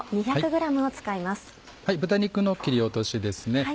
豚肉の切り落としですね。